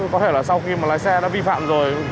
có thể là sau khi mà lái xe đã vi phạm rồi